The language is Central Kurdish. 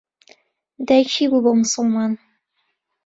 دایکی بوو بە موسڵمان.